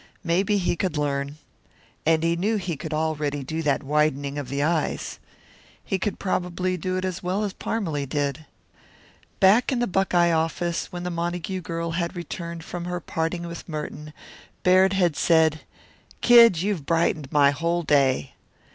Maybe he could learn. And he knew he could already do that widening of the eyes. He could probably do it as well as Parmalee did. Back in the Buckeye office, when the Montague girl had returned from her parting with Merton, Baird had said: "Kid, you've brightened my whole day."